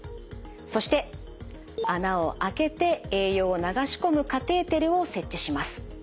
そして穴を開けて栄養を流し込むカテーテルを設置します。